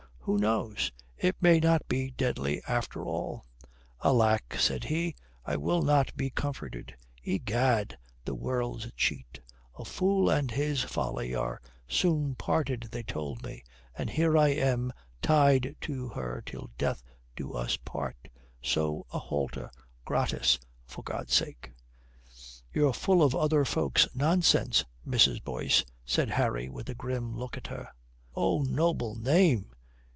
Who knows? I may not be deadly after all. 'Alack,' says he, 'I will not be comforted. Egad, the world's a cheat. A fool and his folly are soon parted they told me, and here am I tied to her till death us do part. So, a halter, gratis, for God's sake.'" "You're full of other folks' nonsense, Mrs. Boyce," said Harry with a grim look at her. "Oh, noble name!"